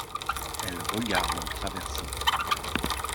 elle regarde en traversant.